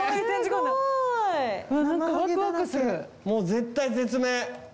もう絶体絶命。